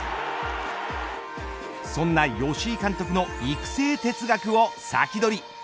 そんな吉井監督の育成哲学をサキドリ。